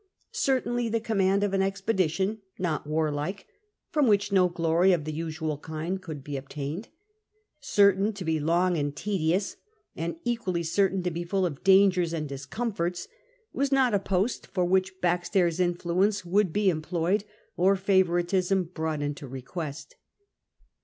Certainly the command of an expedition, not warlike, from which no glory of the usual kind could be obtained, certain to be long and tedious, and equally certain to be full of dangers and discomforts, was not a post for which backstairs influence would be employed, or favouritism brought into request.